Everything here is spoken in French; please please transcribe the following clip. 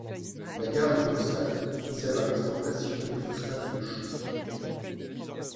La gare de Caussade sert à l'exportation des phosphates de chaux.